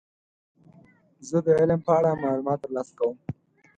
زه د علم په اړه معلومات ترلاسه کوم.